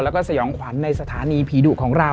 แล้วก็สยองขวัญในสถานีผีดุของเรา